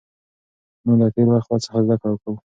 موږ له تېر وخت څخه زده کړه کوو.